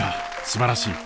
すばらしい！